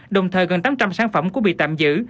đồng thời gần tám trăm linh sản phẩm cũng bị tạm giữ